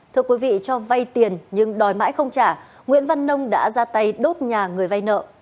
thưa quý vị cho vay tiền nhưng đòi mãi không trả nguyễn văn nông đã ra tay đốt nhà người vay nợ